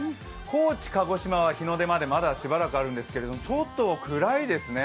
高知、鹿児島は日の出までまだしばらくあるんですけど、ちょっと暗いですね。